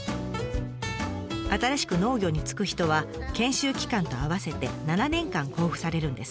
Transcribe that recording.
新しく農業に就く人は研修期間と合わせて７年間交付されるんです。